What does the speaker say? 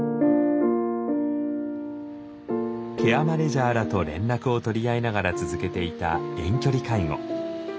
ケアマネジャーらと連絡をとり合いながら続けていた遠距離介護。